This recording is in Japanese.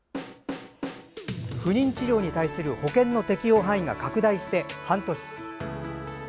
不妊治療に対する保険の適用範囲が拡大して半年。